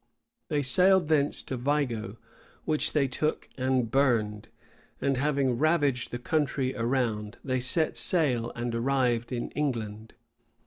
They sailed thence to Vigo, which they took and burned; and having ravaged the country around, they set sail and arrived in England.